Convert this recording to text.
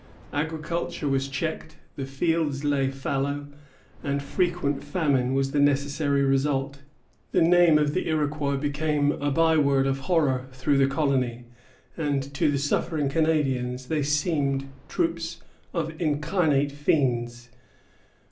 Agriculture was checked; the fields lay fallow, and frequent famine was the necessary result. The name of the Iroquois became a by word of horror through the colony, and to the suffering Canadians they seemed troops of incarnate fiends.